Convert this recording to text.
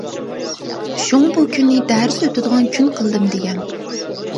شۇڭا بۇ كۈننى دەرس ئۆتىدىغان كۈن قىلدىم دېگەن.